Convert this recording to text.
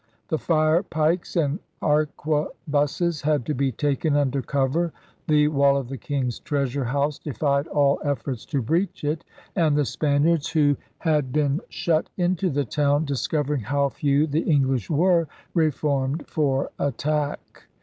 The fire pikes and arquebuses had to be taken under cover. The wall of the King's Treasure House defied all efforts to breach it. And the Spaniards who had DRAKE'S BEGINNING 107 been shut into the town, discovering how few the English were, reformed for attack.